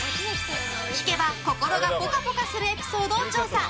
聞けば心がぽかぽかするエピソードを調査。